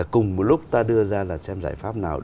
cùng lúc ta đưa ra xem giải pháp nào